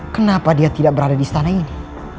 kenapa dia tidak berada di istana ini